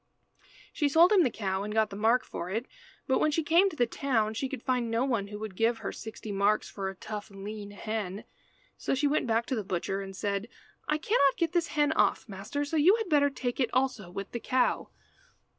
She sold him the cow and got the mark for it, but when she came to the town she could find no one who would give her sixty marks for a tough lean hen. So she went back to the butcher and said "I cannot get this hen off, master, so you had better take it also with the cow."